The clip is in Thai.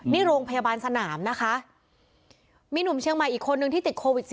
นี่โรงพยาบาลสนามนะคะมีหนุ่มเชียงใหม่อีกคนนึงที่ติดโควิด๑๙